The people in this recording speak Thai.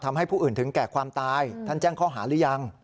ทำให้ผู้อื่นถึงแก่ความตายท่านแจ้งข้อหาหรือยัง